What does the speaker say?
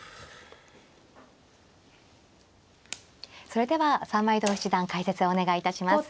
それでは三枚堂七段解説をお願いいたします。